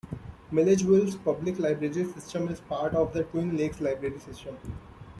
Milledgeville's public library system is part of the Twin Lakes Library System.